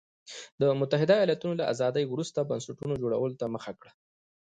د متحده ایالتونو له ازادۍ وروسته بنسټونو جوړولو ته مخه کړه.